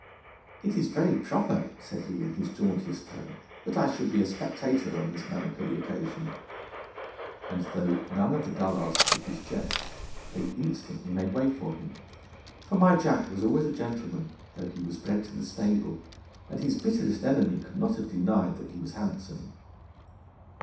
"It is very proper," said he, in his jauntiest tone, "that I should be a spectator on this melancholy occasion." And though none of the dullards took his jest, they instantly made way for him. For my Jack was always a gentleman, though he was bred to the stable, and his bitterest enemy could not have denied that he was handsome.